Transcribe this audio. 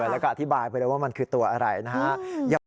แล้วก็อธิบายไปแล้วว่ามันคือตัวอะไรนะฮะ